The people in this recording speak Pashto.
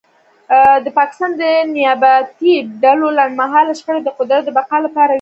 د پاکستان د نیابتي ډلو لنډمهاله شخړې د قدرت د بقا لپاره وې